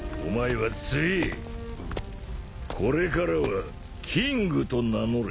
これからは「キング」と名乗れ。